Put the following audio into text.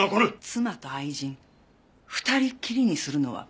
妻と愛人２人っきりにするのはそんなに嫌？